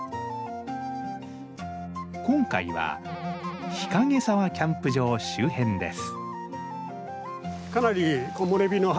今回は日影沢キャンプ場周辺です。